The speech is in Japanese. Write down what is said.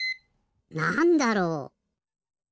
なんだろう？